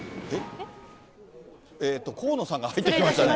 河野さんが入ってきましたね。